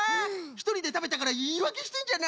ひとりでたべたからいいわけしてんじゃないの？